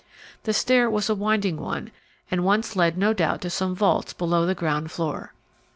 The stair was a winding one, and once led no doubt to some vaults below the ground floor.